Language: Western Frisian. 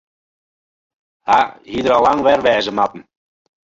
Hja hie der al lang wer wêze moatten.